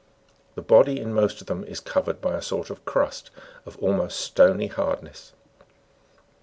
The body in most of them is covered by a sort of crust of almost stony hard ness.